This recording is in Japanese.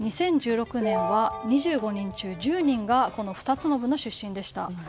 ２０１６年は２５人中１０人が２つの部の出身でした。